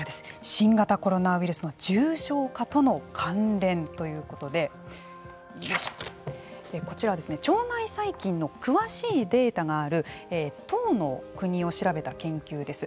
新型コロナウイルスの重症化との関連ということでこちらは腸内細菌の詳しいデータがある１０の国を調べた研究です。